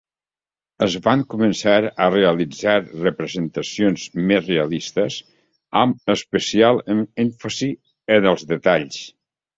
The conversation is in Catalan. Es van començar a realitzar representacions més realistes, amb especial èmfasi en els detalls.